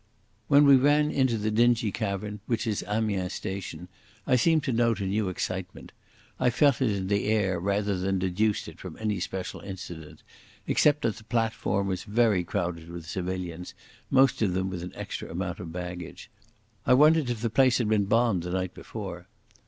When we ran into the dingy cavern which is Amiens station I seemed to note a new excitement. I felt it in the air rather than deduced it from any special incident, except that the platform was very crowded with civilians, most of them with an extra amount of baggage. I wondered if the place had been bombed the night before.